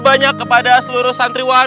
banyak kepada seluruh santriwan